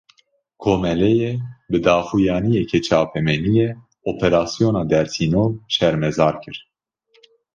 Komeleyê, bi daxuyaniyeke çapameniyê operasyona dersînor şermezar kir